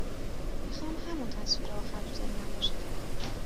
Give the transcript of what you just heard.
میخوام همون تصویر آخر تو ذهنم باشه